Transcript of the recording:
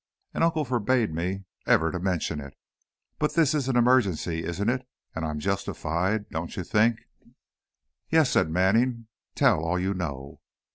"And Uncle forbade me ever to mention it, but this is an emergency, isn't it? and I'm justified, don't you think?" "Yes," said Manning; "tell all you know."